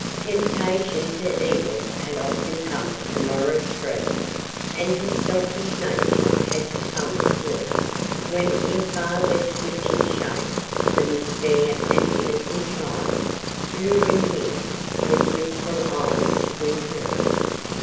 Temptation to evil had often come to Maurice Frere, and his selfish nature had succumbed to it when in far less witching shape than this fair and innocent child luring him with wistful eyes to win her.